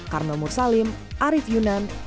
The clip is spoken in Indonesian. karma mursalim arief yunan